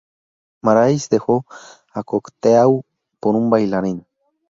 Marais dejó a Cocteau por un bailarín.